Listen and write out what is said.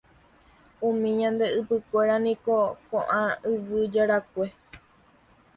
Umi ñande ypykue niko koʼã yvy jarakue.